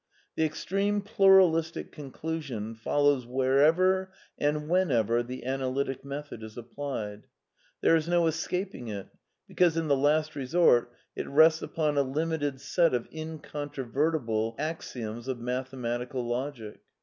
The extreme pluralistic conclusion follows wherever and when ever the analytic method is applied. There is no escaping it, because, in the last resort, it rests upon a limited set of incontrovertible axioms of mathematical logic.